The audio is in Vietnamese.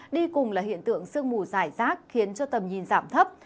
đi cùng là hiện tượng sương mù dài rác khiến cho tầm nhìn giảm thấp